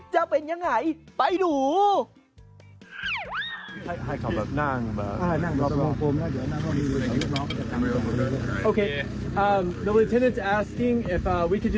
จะเป็นยังไงไปดู